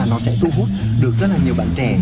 nó sẽ thu hút được rất nhiều bạn trẻ